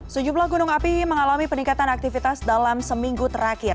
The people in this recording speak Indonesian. sejumlah gunung api mengalami peningkatan aktivitas dalam seminggu terakhir